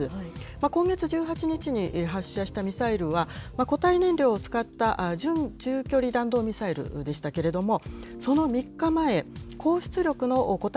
今月１８日に発射したミサイルは、固体燃料を使った準中距離弾道ミサイルでしたけれども、その３日前、高出力の固体